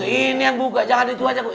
ini yang buka jangan itu aja bu